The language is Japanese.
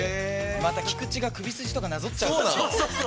また菊池が首筋からなぞっちゃうから。